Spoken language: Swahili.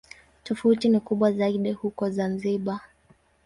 Tofauti ni kubwa zaidi huko Zanzibar.